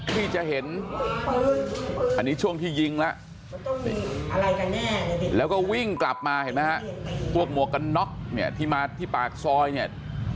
ที่จะเห็นอันนี้ช่วงที่ยิงแล้วแล้วก็วิ่งกลับมาเห็นไหมฮะพวกหมวกกันน็อกเนี่ยที่มาที่ปากซอยเนี่ย